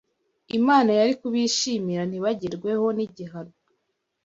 Imana yari kubishimira, ntibagerweho n’igihano